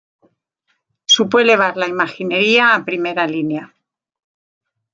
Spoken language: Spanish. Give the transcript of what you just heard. Supo elevar la imaginería a primera línea.